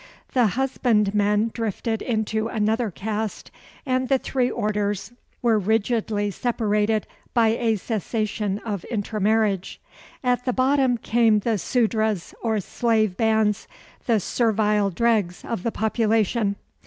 The husbandmen drifted into another caste, and the three orders were rigidly separated by a cessation of intermarriage. At the bottom came the Sudras, or slave bands, the servile dregs of the population.